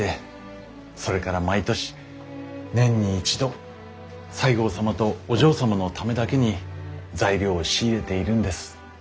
それから毎年年に一度西郷様とお嬢様のためだけに材料を仕入れているんです。